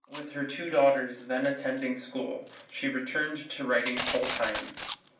With her two daughters then attending school she returned to writing full-time.